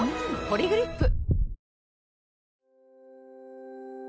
「ポリグリップ」